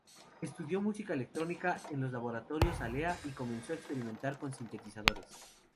Estudió música electrónica en los laboratorios Alea y comenzó a experimentar con sintetizadores.